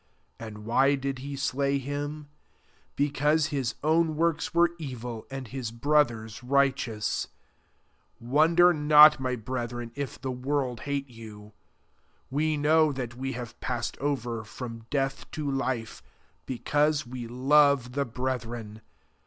And why did he slay him ? Becav^se his own works were evil, and his hto ther's righteous. 13 Wonder not, [my] brethren, if the world hate you. 14 We know that we have passed over from death to life, because we love the brethren.